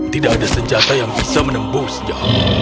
tidak ada senjata yang bisa menembusnya